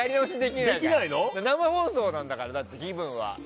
生放送なんだから、気分は。